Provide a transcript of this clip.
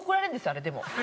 あれでも。